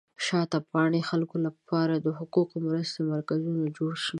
د شاته پاتې خلکو لپاره د حقوقي مرستې مرکزونه جوړ شي.